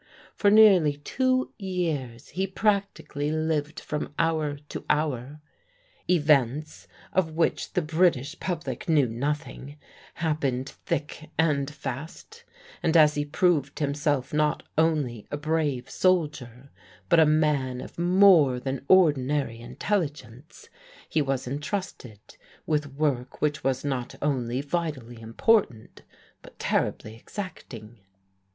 For nearly two years he practically lived from hour to hour. Events, of which the British public knew nothing, happened thick and fast, and as he proved himself not only a brave sol dier, but a man of more than ordinary intelligence, he was entrusted with work which was not only vitally important, but terribly exacting.